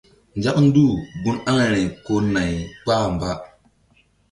Nzak nduh un aŋayri ko nay kpah mba.